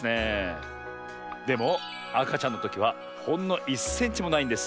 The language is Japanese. でもあかちゃんのときはほんの１センチもないんです。